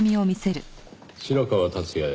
「白河達也へ」